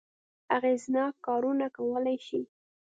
اغېزناک کارونه کولای شي.